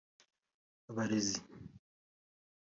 abarezi